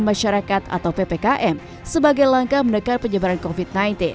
masyarakat atau ppkm sebagai langkah menekan penyebaran covid sembilan belas